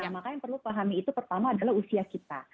nah makanya yang perlu dipahami itu pertama adalah usia kita